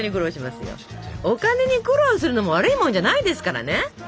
お金に苦労するのも悪いもんじゃないですからね。